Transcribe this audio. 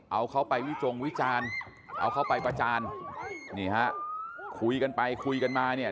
เอาเขาไปวิจงวิจารณ์เอาเขาไปประจานนี่ฮะคุยกันไปคุยกันมาเนี่ย